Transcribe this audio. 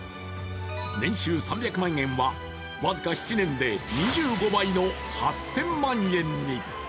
年収３００万円は僅か７年で２５倍の８０００万円に。